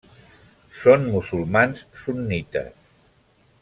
Són musulmans sunnites.